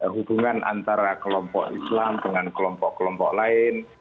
hubungan antara kelompok islam dengan kelompok kelompok lain